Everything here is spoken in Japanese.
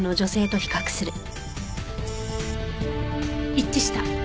一致した。